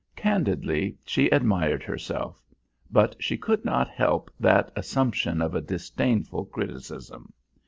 Candidly, she admired herself; but she could not help that assumption of a disdainful criticism.